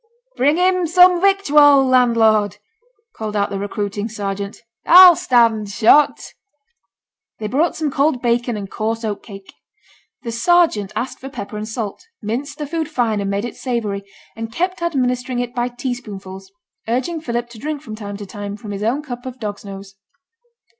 'Bring him some victual, landlord,' called out the recruiting sergeant. 'I'll stand shot.' They brought some cold bacon and coarse oat cake. The sergeant asked for pepper and salt; minced the food fine and made it savoury, and kept administering it by teaspoonfuls; urging Philip to drink from time to time from his own cup of dog's nose.